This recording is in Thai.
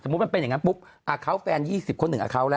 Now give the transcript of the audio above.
สมมุติมันเป็นอย่างงี้ปุ๊บอาคาเฟน๒๐คนหนึ่งอาคาวแล้ว